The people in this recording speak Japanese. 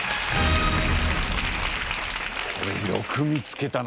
これよく見つけたな。